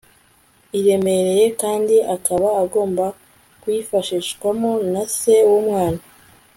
iremereye kandi akaba agomba kuyifashwamo na se wumwana